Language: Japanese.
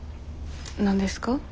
何ですか？